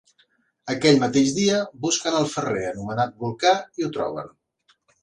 Aquell mateix dia busquen el ferrer anomenat Volcà i ho troben.